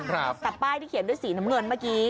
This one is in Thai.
แต่ป้ายที่เขียนด้วยสีน้ำเงินเมื่อกี้